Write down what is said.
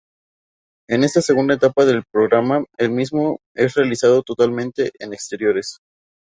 En esta segunda etapa del programa, el mismo es realizado totalmente en exteriores.